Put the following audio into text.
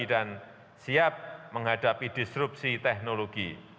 dan siap menghadapi disrupsi teknologi